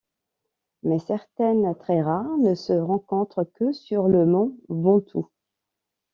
Mais certaines, très rares, ne se rencontrent que sur le mont Ventoux.